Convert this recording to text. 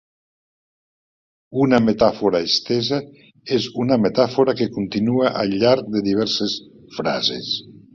Una metàfora estesa és una metàfora que continua al llarg de diverses frases.